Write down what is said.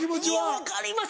分かります。